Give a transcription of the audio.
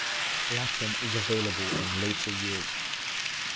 Latin is available in later years.